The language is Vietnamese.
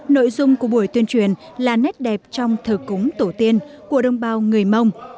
nội dung của buổi tuyên truyền là nét đẹp trong thờ cúng tổ tiên của đông bào người mong